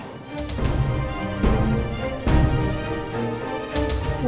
sampai kapanpun itu